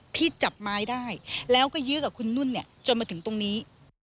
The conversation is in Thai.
ที่จับไม้ได้แล้วก็ยื้อกับคุณนุ่นเนี่ยจนมาถึงตรงนี้